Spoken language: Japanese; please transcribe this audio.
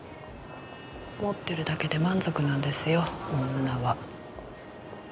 持ってるだけで満足なんですよ女は。